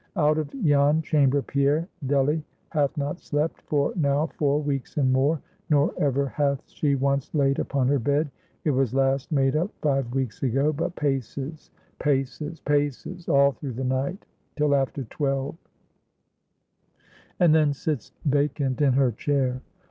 Out of yon chamber, Pierre, Delly hath not slept, for now four weeks and more; nor ever hath she once laid upon her bed; it was last made up five weeks ago; but paces, paces, paces, all through the night, till after twelve; and then sits vacant in her chair.